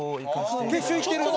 決勝いってる？